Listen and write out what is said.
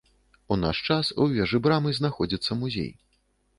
У наш час у вежы брамы знаходзіцца музей.